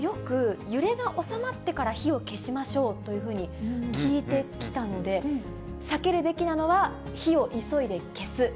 よく、揺れが収まってから火を消しましょうというふうに聞いてきたので、避けるべきなのは、なるほど。